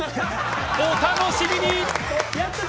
お楽しみに！